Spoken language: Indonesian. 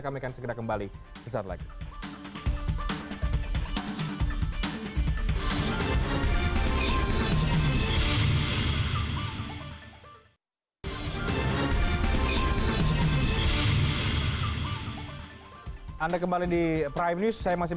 kami akan segera kembali sesaat lagi